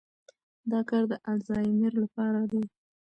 دا کار د الزایمر لپاره دی.